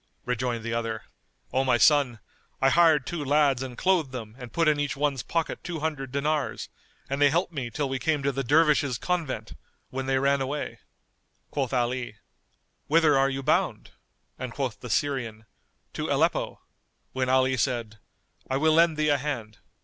Rejoined the other, "O my son, I hired two lads and clothed them and put in each one's pocket two hundred dinars; and they helped me till we came to the Dervishes' Convent,[FN#218] when they ran away." Quoth Ali, "Whither are you bound?" and quoth the Syrian, "to Aleppo," when Ali said, "I will lend thee a hand."